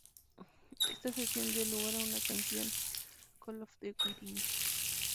Esta sesión dio lugar a una canción, "Call Off The Wedding".